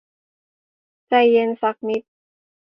ใจเย็นสักนิด